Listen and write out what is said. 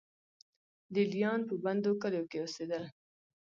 لې لیان په بندو کلیو کې اوسېدل